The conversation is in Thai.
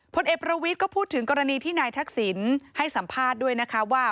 พลเอกประวิทย์ก็พูดถึงกรณีที่นายทักษิณให้สัมภาษณ์ด้วยนะคะว่า